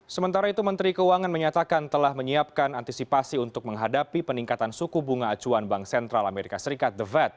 sementara itu menteri keuangan menyatakan telah menyiapkan antisipasi untuk menghadapi peningkatan suku bunga acuan bank sentral amerika serikat the fed